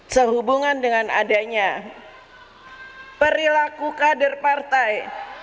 sehubungan dengan adanya perilaku kader partai